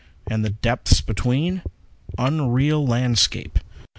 ] _And the depths between? Unreal landscape!